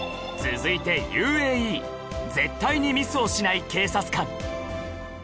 続いて ＵＡＥ絶対にミスをしない警察官